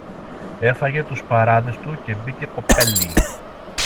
Έφαγε τους παράδες του και μπήκε κοπέλι